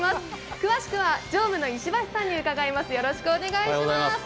詳しくは常務の石橋さんに伺います。